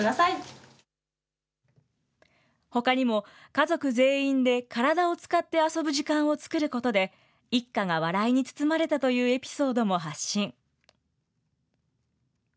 家族全員で体を使って遊ぶ時間を作ることで、一家が笑いに包まれたというエピソードも発信。